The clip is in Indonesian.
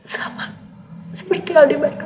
sama seperti adik mereka